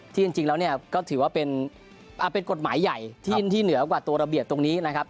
จริงแล้วเนี่ยก็ถือว่าเป็นกฎหมายใหญ่ที่เหนือกว่าตัวระเบียบตรงนี้นะครับ